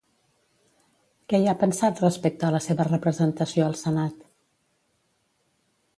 Què hi ha pensat respecte a la seva representació al Senat?